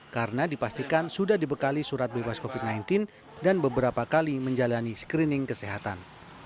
karena dipastikan sudah dibekali surat bebas covid sembilan belas dan beberapa kali menjalani screening kesehatan